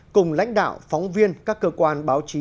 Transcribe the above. cùng lãnh đạo phóng viên các cơ quan báo chí